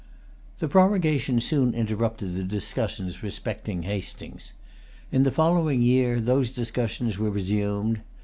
The prorogation soon interrupted the discussions respecting Hastings. In the following year, those discussions were resumed.